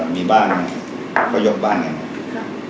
มีบ้านเขายกบ้านอย่างงี้